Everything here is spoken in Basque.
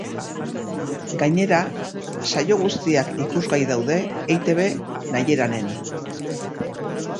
Gainera, saio guztiak ikusgai daude eitb nahieran-en.